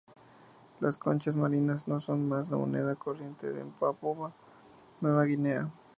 Las conchas marinas no son más la moneda corriente en Papúa Nueva Guinea.